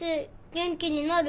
元気になる？